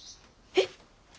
えっ。